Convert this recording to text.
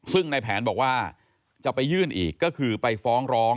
ซึ่งในแผนบอกว่าจะไปยื่นอีกก็คือไปฟ้องร้อง